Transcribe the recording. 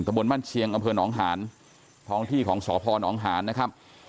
ตะบนบ้านเชียงอนหานพร้องที่ของสพนหานนะครับ